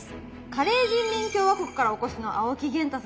カレー人民共和国からお越しの青木源太様。